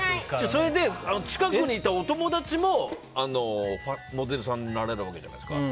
それで、近くにいたお友達もモデルさんになれるわけじゃないですか。